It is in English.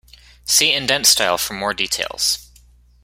See Indent style for more details.